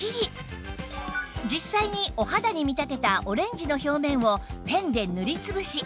実際にお肌に見立てたオレンジの表面をペンで塗り潰し